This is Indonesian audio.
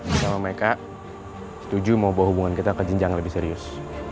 gue sama mereka setuju mau bawa hubungan kita ke jenjang yang lebih serius